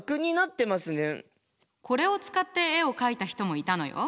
これを使って絵を描いた人もいたのよ。